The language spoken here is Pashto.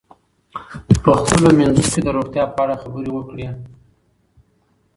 په خپلو منځونو کې د روغتیا په اړه خبرې وکړئ.